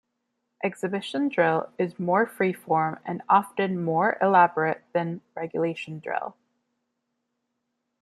Exhibition Drill is more free form and often more elaborate then Regulation Drill.